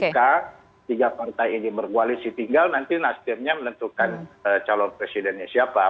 jadi jika tiga pantai ini bergualis ditinggal nanti nasdemnya melenturkan calon presidennya siapa